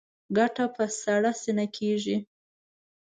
ګټه په سړه سینه کېږي.